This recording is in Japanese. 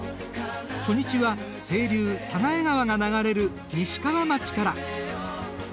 初日は清流寒河江川が流れる西川町から。